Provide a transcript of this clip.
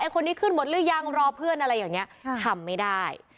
คนนี้ขึ้นหมดหรือยังรอเพื่อนอะไรอย่างนี้ทำไม่ได้